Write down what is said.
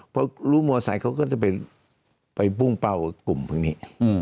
พอรู้มอไซค์เขาก็จะไปมุ่งเป้ากลุ่มพวกนี้